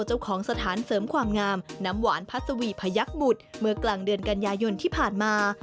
เจ้าของสถานเสริมความงามน้ำหวานพัศวีพยักษ์บุตรเมื่อกลางเดือนกันยายนที่ผ่านมา